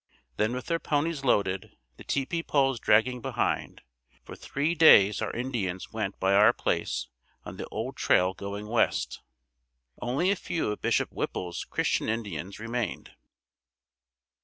Then with their ponies loaded, the tepee poles dragging behind, for three days our Indians went by our place on the old trail going west. Only a few of Bishop Whipple's Christian Indians remained.